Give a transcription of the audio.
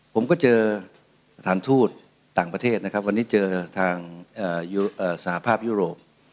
ผมก็เจอสถานทูตต่างประเทศนะครับวันนี้เจอทางสหภาพยุโรป